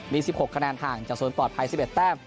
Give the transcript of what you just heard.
มี๑๖คะแนนห่างจากโซนปลอดภัย๑๑แต้ม